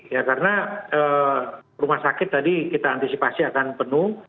ya karena rumah sakit tadi kita antisipasi akan penuh